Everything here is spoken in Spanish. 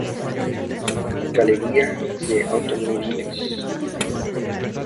Galería de Automóviles.